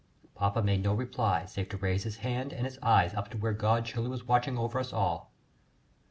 Papa made no reply, save to raise his hand and eyes up to where God surely was watching over us all.